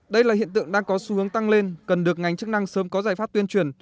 đây là hiện tượng đang có xu hướng tăng lên cần được ngành chức năng sớm có giải pháp tuyên truyền